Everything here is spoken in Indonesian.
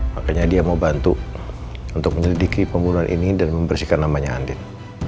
makanya dia mau bantu untuk menyelidiki pembunuhan ini dan membersihkan namanya andin